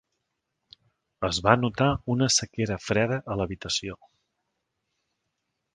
Es va notar una sequera freda a l'habitació.